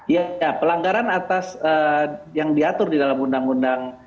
ya pelanggaran atas yang diatur di dalam undang undang